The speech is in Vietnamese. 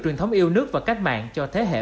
truyền thống yêu nước và cách mạng cho thế hệ